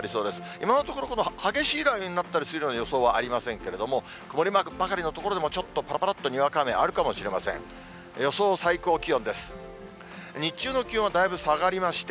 今のところ、激しい雷雨になったりする予想はありませんけれども、曇りマークばかりの所でも、ちょっと、ぱらぱらっとにわか雨あるかもしれません。